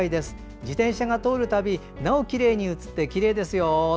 自転車が通ると、なおきれいに写ってきれいですよ。